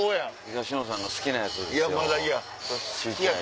東野さんが好きなやつですよ。